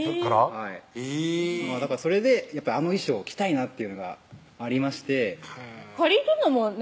はいだからそれであの衣装を着たいなっていうのがありまして借りるのもね